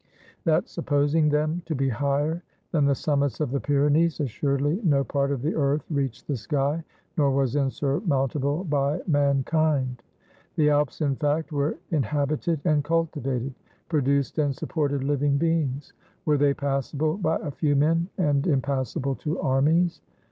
That supposing them to be higher than the summits of the Pyrenees, assuredly no part of the earth reached the sky, nor was insurmountable by mankind. The Alps in fact were inhabited and cultivated, — produced and sup ported living beings. Were they passable by a few men and impassable to armies?